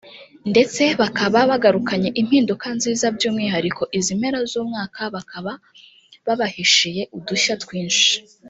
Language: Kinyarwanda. ndetse bakaba bagarukanye impinduka nziza by’umwihariko izi mpera z’umwaka bakaba babahishiye udushya twinshi